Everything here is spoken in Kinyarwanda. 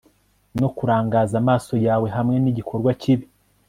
no kurangaza amaso yawe hamwe nigikorwa kibi